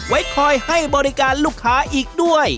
ไว้คอยให้บริการลูกค้าอีกด้วย